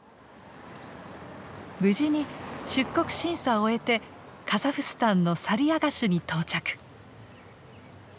無事に出国審査を終えてカザフスタンのサリアガシュに到着。